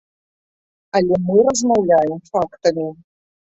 Але мы размаўляем фактамі.